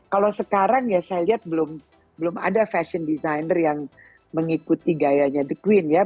kalau sekarang ya saya lihat belum ada fashion designer yang mengikuti gayanya the queen ya